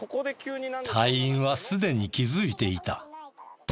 隊員はすでに気づいていた。